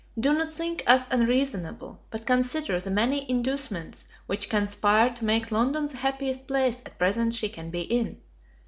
Do not think us unreasonable, but consider the many inducements which conspire to make London the happiest place at present she can be in.